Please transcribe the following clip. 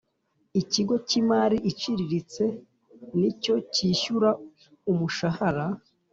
Ikigo cy imari iciriritse ni cyo cyishyura umushahara